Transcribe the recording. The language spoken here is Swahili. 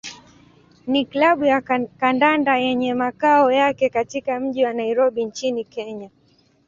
ni klabu ya kandanda yenye makao yake katika mji wa Nairobi nchini Kenya.